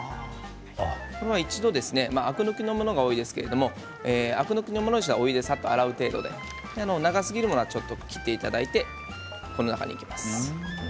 これは一度アク抜きのものが多いですけれどアク抜きのものをお湯でさっと洗う程度で長ければ切っていただいてこの中に入れます。